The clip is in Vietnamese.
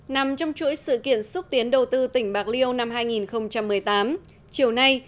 nằm trong chuỗi sự kiện xúc tiến đầu tư tỉnh bạc liêu năm hai nghìn một mươi tám chiều nay